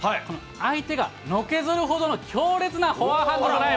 相手がのけぞるほどの強烈なフォアハンド。